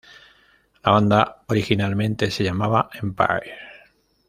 La banda originalmente se llamaba Empires.